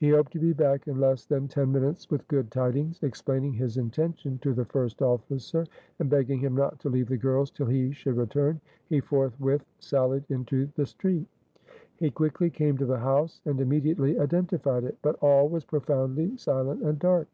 He hoped to be back in less than ten minutes with good tidings. Explaining his intention to the first officer, and begging him not to leave the girls till he should return, he forthwith sallied into the street. He quickly came to the house, and immediately identified it. But all was profoundly silent and dark.